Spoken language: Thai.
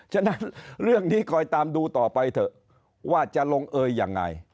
ฉะนั้นเรื่องนี้คอยตามดูต่อไปเถอะว่าจะลงเอยยังไง